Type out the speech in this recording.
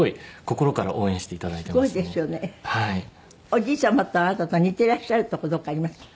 おじい様とあなたと似てらっしゃるとこどこかあります？